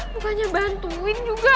bukannya bantuin juga